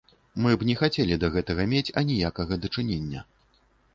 Мы б не хацелі да гэтага мець аніякага дачынення.